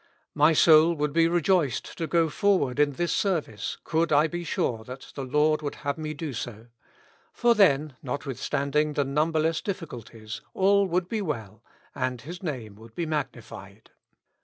My soul would be rejoiced to go forward in this service, could I be sure that the Lord would have me to do so ; for then, nothwith stauding the numberless difi&culties, all would be well ; and His Naine would be magnified.